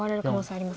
あります。